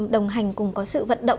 đồng hành cùng có sự vận động